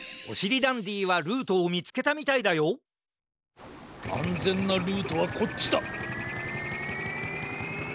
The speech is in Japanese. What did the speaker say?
おしりダンディはルートをみつけたみたいだよあんぜんなルートはこっちだ！